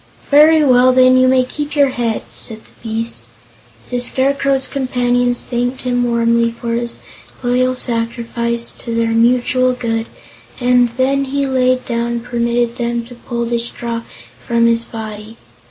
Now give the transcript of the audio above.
"Very well, then; you may keep your head," said the beast. The Scarecrow's companions thanked him warmly for his loyal sacrifice to their mutual good, and then he laid down and permitted them to pull the straw from his body.